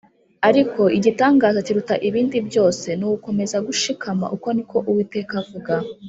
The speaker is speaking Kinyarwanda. . Ariko igitangaza kiruta ibindi byose, ni ugukomeza gushikama “Uku niko Uwiteka avuga,